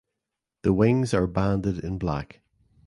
The wings are banded in black.